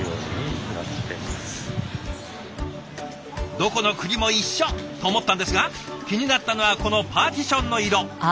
どこの国も一緒と思ったんですが気になったのはこのパーティションの色。